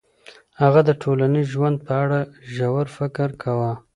هغه د ټولنیز ژوند په اړه ژور فکر کاوه.